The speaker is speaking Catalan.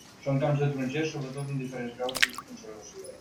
Són camps de tarongers sobretot, amb diferents graus d'ús i conservació.